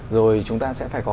rồi chúng ta sẽ phải có